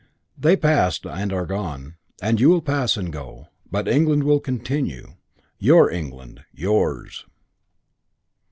They passed and are gone; and you will pass and go. But England will continue. Your England. _Yours.